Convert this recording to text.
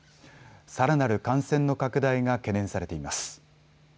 さらなる感染の拡大が懸念されています。